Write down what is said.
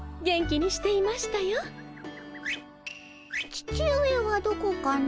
父上はどこかの？